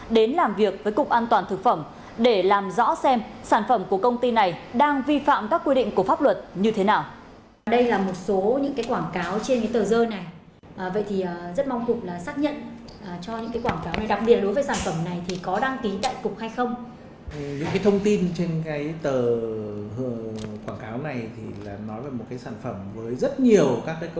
đến làm việc với cục an toàn thực phẩm để làm rõ xem sản phẩm của công ty này đang vi phạm các quy định của pháp luật như thế nào